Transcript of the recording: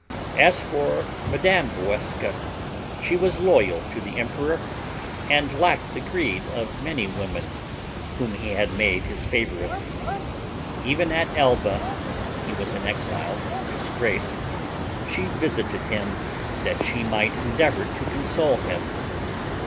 As for Mme. Walewska, she was loyal to the emperor, and lacked the greed of many women whom he had made his favorites. Even at Elba, when he was in exile and disgrace, she visited him that she might endeavor to console him.